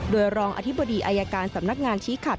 โดยรองอธิบดีอายการสำนักงานชี้ขัด